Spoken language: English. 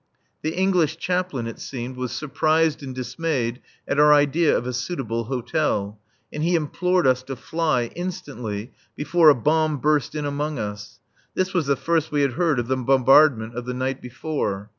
The English chaplain, it seemed, was surprised and dismayed at our idea of a suitable hotel, and he implored us to fly, instantly, before a bomb burst in among us (this was the first we had heard of the bombardment of the night before).